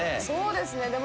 そうですね。